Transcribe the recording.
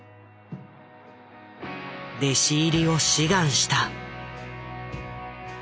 弟子入りを志願した。